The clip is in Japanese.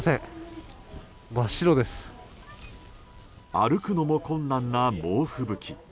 歩くのも困難な猛吹雪。